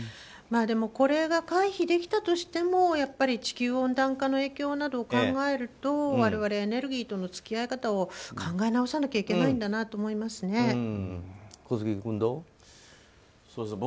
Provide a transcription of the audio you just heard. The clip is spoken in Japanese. でも、これが回避できたとしても地球温暖化の影響などを考えると我々エネルギーとの付き合い方を考え直さなきゃいけないんだなと小杉君、どう？